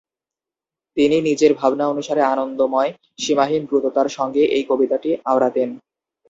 তিনি নিজের ভাবনা অনুসারে আনন্দময় "সীমাহীন দ্রুততা"র সঙ্গে এই কবিতাটি আওড়াতেন।